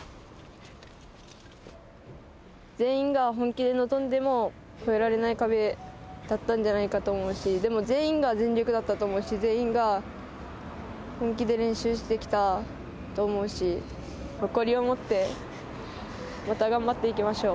全員が本気で望んでも、越えられない壁だったんじゃないかと思うし、でも全員が全力だったと思うし、全員が本気で練習してきたと思うし、誇りを持って、また頑張っていきましょう。